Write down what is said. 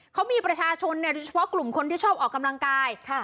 เขามีประชาชนโดยเฉพาะกลุ่มคนที่ชอบออกกำลังกาย